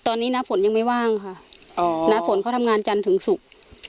ตอนนี้น้าฝนยังไม่ว่างค่ะณฝนเขาทำงานจันทร์ถึงศุกร์